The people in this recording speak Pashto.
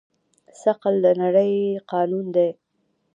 ثقل د نړۍ قانون دی.